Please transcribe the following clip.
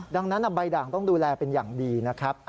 ดังนั้นใบด่างต้องดูแลเป็นอย่างดีนะครับ